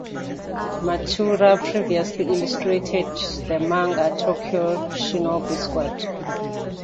Matsuura previously illustrated the manga "Tokyo Shinobi Squad".